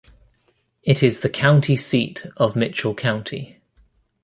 It is the county seat of Mitchell County.